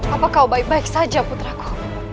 apa kau baik baik saja putraku